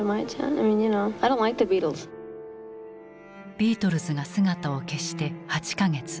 ビートルズが姿を消して８か月。